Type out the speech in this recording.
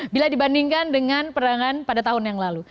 bila dibandingkan dengan perdagangan pada tahun yang lalu